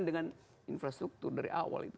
dengan infrastruktur dari awal